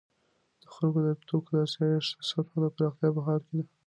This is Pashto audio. د خلکو د توکو د آسایښت سطح د پراختیا په حال کې ده.